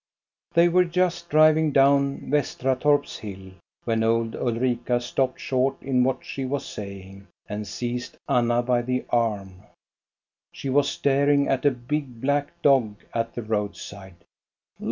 They were just driving down Vestratorp's hill, when old Ulrika stopped short in what she was saying, and seized Anna by the arm. She was star ing at a big black dog at the roadside.